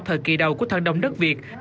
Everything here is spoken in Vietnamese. thời kỳ đầu của thần đồng đất việt